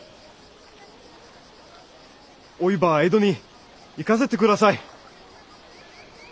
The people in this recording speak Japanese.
おいば江戸に行かせて下さい！